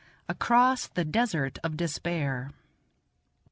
ACROSS THE "DESERT OF DESPAIR."